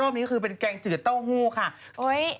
รอบนี้คุณเป็นแกงเจือเต้าฮู้น้ำโคหศาตุกรียังไงโผอ้ย